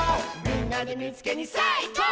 「みんなでみいつけにさあいこう！」